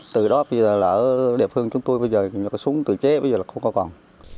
từ đó bây giờ ở địa phương chúng tôi bây giờ cái súng tự chế bây giờ là không có còn